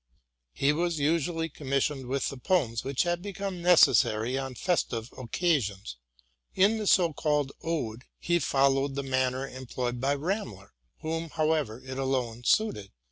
He was usually commissioned with the poems which had become necessary on festive occasions. In the so called 'Ode,"' he followed the manner employed by Ramler, whom, however, it alone suited.